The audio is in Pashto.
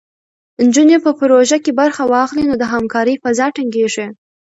نجونې په پروژو کې برخه واخلي، نو د همکارۍ فضا ټینګېږي.